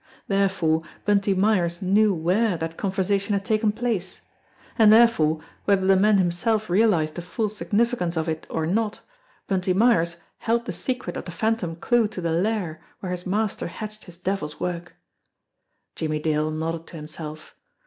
Therefore Bunty Myers knew where that conversa tion had taken place; and therefore, whether the man him self realised the full significance of it or not, Bunty Myers held the secret of the phantom clue to the lair where his mas ter hatched his devil's work. Jimmie Dale nodded to himself.